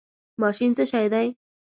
ماشین څه شی دی؟